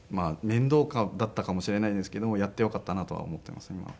面倒だったかもしれないですけどもやってよかったなとは思ってますね